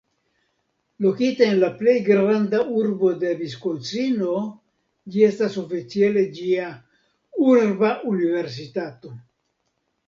Lokita en la plej granda urbo de Viskonsino, ĝi estas oficiale ĝia "urba universitato".